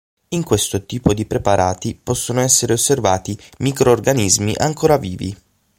In questo tipo di preparati possono essere osservati microorganismi ancora vivi.